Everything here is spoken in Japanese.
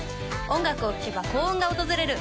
音楽を聴けば幸運が訪れる